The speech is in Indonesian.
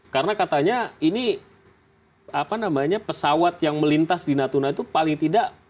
karena katanya ini apa namanya pesawat yang melintas di natuna itu paling tidak